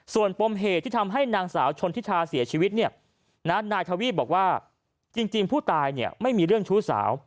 ส่วนปมเหตุที่ทำให้นางสาวชนทิชาเสียชีวิตเนี่ยนายทวีปบอกว่าจริงผู้ตายเนี่ยไม่มีเรื่องชู้สาว